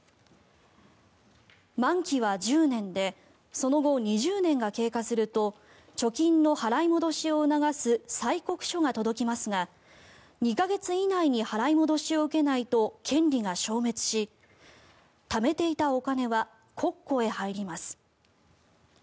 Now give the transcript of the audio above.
満期は１０年でその後２０年が経過すると貯金の払い戻しを促す催告書が届きますが２か月以内に払い戻しを受けないと権利が消滅しためていたお金は国庫へ入ります。